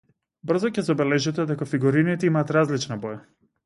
Брзо ќе забележите дека фигурините имаат различна боја.